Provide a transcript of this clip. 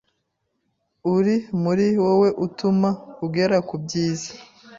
uri muri wowe utuma ugera ku byiza.